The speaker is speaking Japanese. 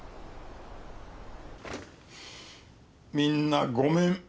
みんなごめん。